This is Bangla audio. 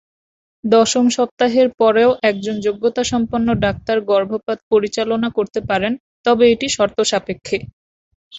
দশম সপ্তাহের পরেও একজন যোগ্যতাসম্পন্ন ডাক্তার গর্ভপাত পরিচালনা করতে পারেন, তবে এটি শর্ত সাপেক্ষে।